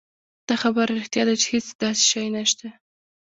دا خبره رښتيا ده چې هېڅ داسې شی نشته